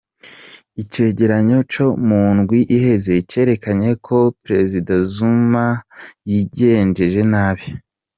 Icegeranyo co mu ndwi iheze carerekanye ko ko prezida Zuma yigenjeje nabi.